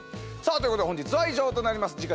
さあということで本日は以上となります。